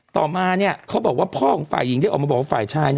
ต่อมาเขาบอกว่าพ่อของฝ่ายหญิงได้ออกมาบอกว่าฝ่ายชาย